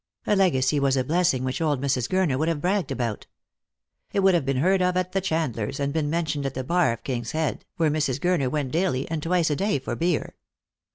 A legacy was a blessing which old Mrs. Gurner would have bragged about. It would have been heard of at the chandler's, and been mentioned at the bar of the King's Head, where Mrs. Gurner went daily, and twice a day, for beer.